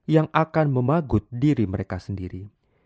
yang akan memagut diri mereka sendiri